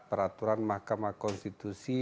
peraturan mahkamah konstitusi